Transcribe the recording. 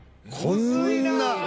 こんな